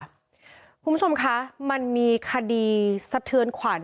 คุณผู้ชมคะมันมีคดีสะเทือนขวัญ